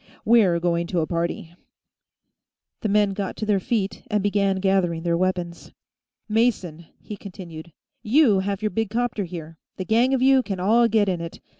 "We're going to a party." The men got to their feet and began gathering their weapons. "Mason," he continued, "you have your big 'copter here; the gang of you can all get in it.